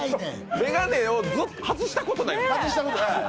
眼鏡を外したことないんや。